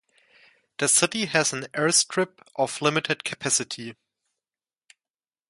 The city has an airstrip of limited capacity.